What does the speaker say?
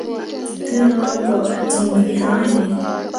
Tǝrwaŋ bo ah cin gi haa yĩĩ.